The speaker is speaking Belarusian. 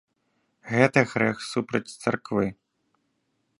Гэта грэх супраць царквы.